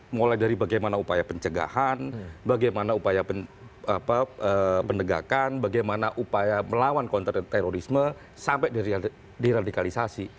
mulai dari bagaimana upaya pencegahan bagaimana upaya penegakan bagaimana upaya melawan terorisme sampai diradikalisasi